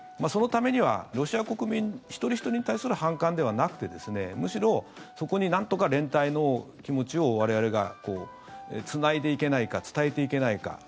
そのためにはロシア国民一人ひとりに対する反感ではなくてむしろ、そこになんとか連帯の気持ちを我々がつないでいけないか伝えていけないか。